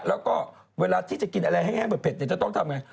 แล้วก็เวลาที่จะกินอะไรแห้งเผ็ดจะต้องทำไง